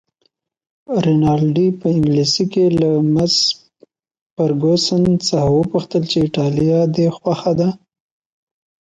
رینالډي په انګلیسي کې له مس فرګوسن څخه وپوښتل چې ایټالیه دې خوښه ده؟